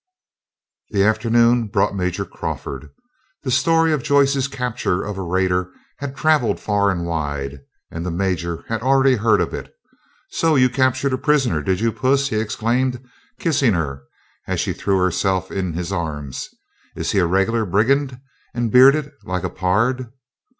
The afternoon brought Major Crawford. The story of Joyce's capture of a raider had travelled far and wide, and the Major had already heard of it. "So you captured a prisoner, did you, Puss?" he exclaimed, kissing her, as she threw herself in his arms. "Is he a regular brigand, and bearded like a pard?"